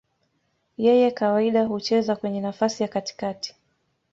Yeye kawaida hucheza kwenye nafasi ya katikati.